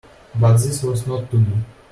But this was not to be.